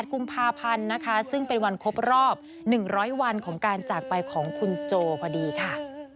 กุมภาพันธ์นะคะซึ่งเป็นวันครบรอบ๑๐๐วันของการจากไปของคุณโจพอดีค่ะ